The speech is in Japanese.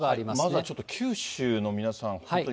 まずはちょっと九州の皆さん、本当に。